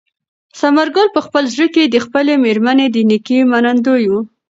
ثمر ګل په خپل زړه کې د خپلې مېرمنې د نېکۍ منندوی و.